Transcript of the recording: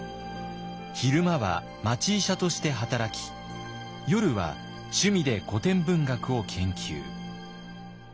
昼間は町医者として働き夜は趣味で古典文学を研究。